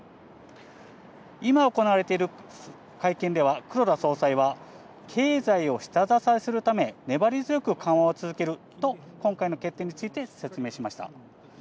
今行われている会見では、黒田総裁は、経済を下支えするため、粘り強く緩和を続けると、今回の決定について説明しました。